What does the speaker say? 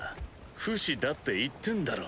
不死だって言ってんだろ。